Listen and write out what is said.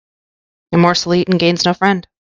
A morsel eaten gains no friend.